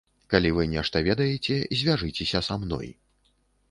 Калі вы нешта ведаеце, звяжыцеся са мной.